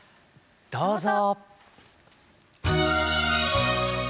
どうぞ！